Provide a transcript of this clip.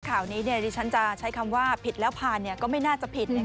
ข่าวนี้ดิฉันจะใช้คำว่าผิดแล้วผ่านก็ไม่น่าจะผิด